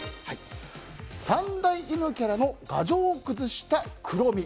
三大犬キャラの牙城を崩したクロミ。